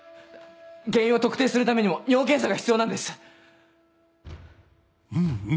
原因を特定するためにも尿検査が必要なんです！